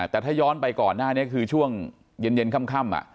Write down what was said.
แต่ถ้าย้อนไปก่อนหน้านี้คือช่วงเย็นค่ำ